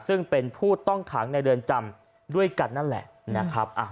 ซึ่งเป็นผู้ต้องขังในเรือนจำด้วยกันนั่นแหละนะครับ